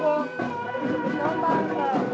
juga ada nombang